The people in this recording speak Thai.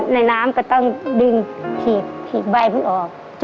ในน้ำก็ต้องดึงฉีกใบมันออก